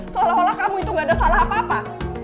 seolah olah kamu itu gak ada salah apa apa